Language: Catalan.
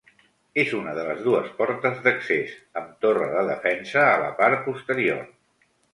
És una de les dues portes d'accés, amb torre de defensa a la part posterior.